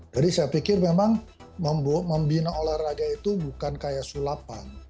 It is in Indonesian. jadi saya pikir memang membina olahraga itu bukan seperti sulapan